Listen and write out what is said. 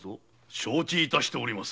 承知致しております。